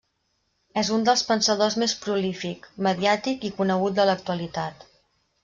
És un dels pensadors més prolífic, mediàtic i conegut de l'actualitat.